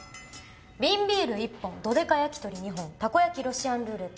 瓶ビール１本ドでか焼き鳥２本たこ焼きロシアンルーレット